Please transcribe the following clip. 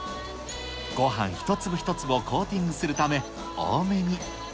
ごはん一粒一粒をコーティングするため多めに。